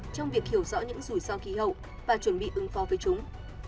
trong việc hiểu rõ những rủi ro khí hậu và chuẩn bị ứng phó với chúng